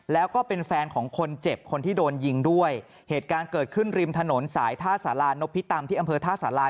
แล้วก็เป็นแฟนของคนเจ็บคนที่โดนยิงด้วยเหตุการณ์เกิดขึ้นริมถนนสายท่าสารานพิตำที่อำเภอท่าสารา